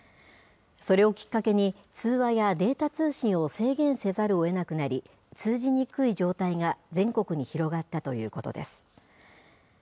それをきっかけに、通話やデータ通信を制限せざるをえなくなり、通じにくい状態が全国に広がったということです。